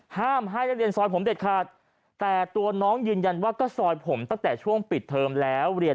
ห้ามให้นักเรียนซอยผมเด็ดขาดแต่ตัวน้องยืนยันว่าก็ซอยผมตั้งแต่ช่วงปิดเทอมแล้วเรียน